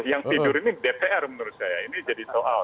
yang tidur ini dpr menurut saya ini jadi soal